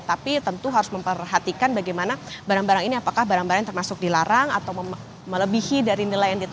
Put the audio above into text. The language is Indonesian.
tapi tentu harus memperhatikan bagaimana barang barang ini apakah barang barang termasuk dilarang atau melebihi dari nilai yang diterima